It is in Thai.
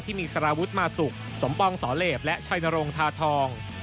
ที่มีสารวุฒิมาสุกสมปองสอเลพและชัยนรงค์ทาทอง